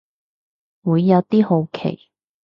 會有啲好奇